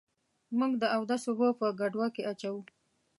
موږ د اودس اوبه په ګډوه کي اچوو.